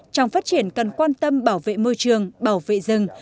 trong phát triển cần quan tâm bảo vệ môi trường bảo vệ rừng